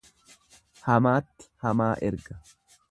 Hamaatti hamaa erga.